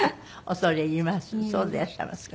そうでいらっしゃいますか。